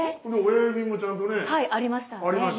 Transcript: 親指もちゃんとねありました。